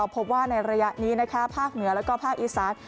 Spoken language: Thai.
ภาคเหนือและก็ภาคอีสาน